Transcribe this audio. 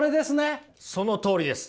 そのとおりです。